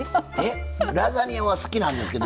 ラザニアは好きなんですけど。